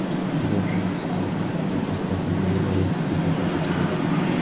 সুরমা স্বীকৃতিসূচক মাথা নেড়েই ঘরের দিকে দ্রুত চলে গেল।